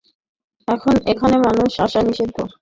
এখানে মানুষ আসা নিষিদ্ধ।